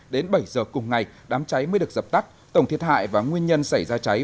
đến bảy giờ cùng ngày đám cháy mới được dập tắt tổng thiệt hại và nguyên nhân xảy ra cháy